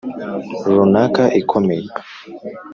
runaka ikomeye